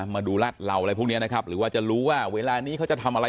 มาดูรัดเหล่าอะไรพวกนี้นะครับหรือว่าจะรู้ว่าเวลานี้เขาจะทำอะไร